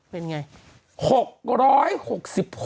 เป็นไง